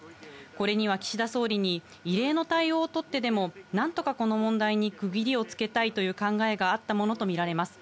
これには岸田総理に、異例の対応を取ってでも、なんとかこの問題に区切りをつけたいという考えがあったものと見られます。